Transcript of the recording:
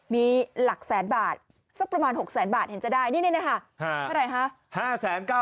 มีหลักแสนบาทสักประมาณ๖แสนบาทเห็นจะได้นี่นะคะ